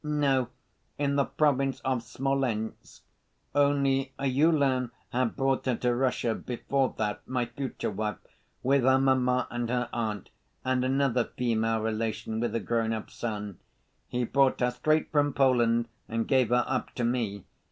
"No, in the Province of Smolensk. Only, a Uhlan had brought her to Russia before that, my future wife, with her mamma and her aunt, and another female relation with a grown‐up son. He brought her straight from Poland and gave her up to me.